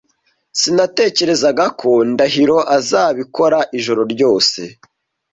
Sinatekerezaga ko Ndahiro azabikora ijoro ryose,